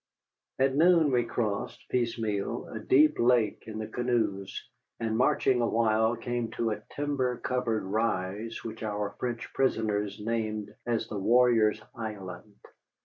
At noon we crossed, piecemeal, a deep lake in the canoes, and marching awhile came to a timber covered rise which our French prisoners named as the Warriors' Island.